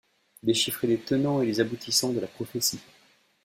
Déchiffrer les tenants et les aboutissants de la prophétie.